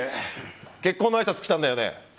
結婚のあいさつ来たんだよね？